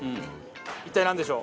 一体なんでしょう？